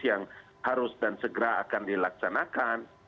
yang harus dan segera akan dilaksanakan